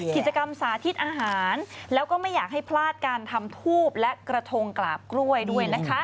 สาธิตอาหารแล้วก็ไม่อยากให้พลาดการทำทูบและกระทงกราบกล้วยด้วยนะคะ